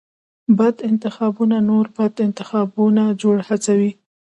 بد انتخابونه نور بد انتخابونه هڅوي.